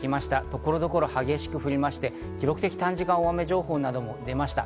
所々激しく降りまして、記録的短時間大雨情報なども出ました。